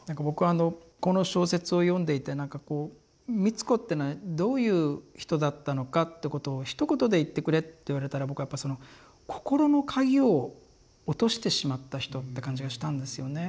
僕はこの小説を読んでいてなんかこう美津子ってのはどういう人だったのかってことをひと言で言ってくれって言われたら僕はやっぱその心の鍵を落としてしまった人って感じがしたんですよね。